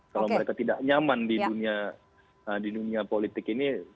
kalau mereka tidak nyaman di dunia politik ini